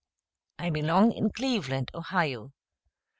I belong in Cleveland, Ohio.